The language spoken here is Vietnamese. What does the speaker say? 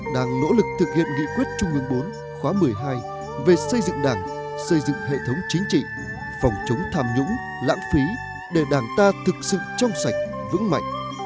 đang nỗ lực thực hiện nghị quyết trung ương bốn khóa một mươi hai về xây dựng đảng xây dựng hệ thống chính trị phòng chống tham nhũng lãng phí để đảng ta thực sự trong sạch vững mạnh